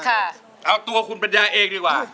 เอาตัวคุณปัญญาเองดีกว่า